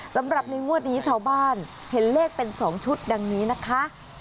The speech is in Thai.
สำหรับในงวดนี้ชาวบ้านเห็นเลขเป็น๒ชุดดังนี้นะคะ